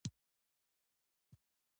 ټولنه دوه زره کیلو ګرامه مالګې ته اړتیا لري.